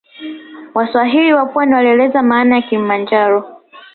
Waswahili wa pwani walieleza maana ya kilimanjoro